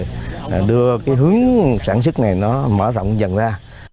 để đưa cái hướng sản xuất này nó mở rộng dần ra